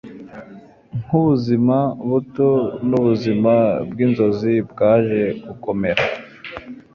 nkubuzima buto nubuzima byinzozi byaje gukomera